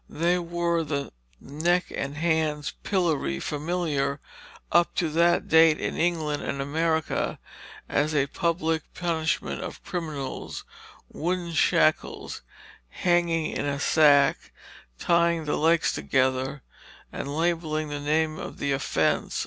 They were the neck and hands pillory, familiar up to that date in England and America as a public punishment of criminals; wooden shackles; hanging in a sack; tying the legs together; and labelling with the name of the offence against rules.